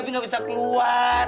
sekarang madrasah keluar